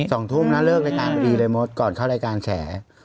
สองทุ่มนะเลิกรายการพอดีเลยมดก่อนเข้ารายการแฉ